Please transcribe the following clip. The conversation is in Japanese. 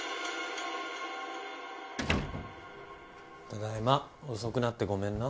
ただいま遅くなってごめんな。